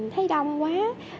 thấy đông quá